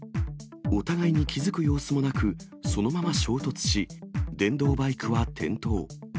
お互いに気付く様子もなく、そのまま衝突し、電動バイクは転倒。